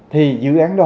thì dự án đó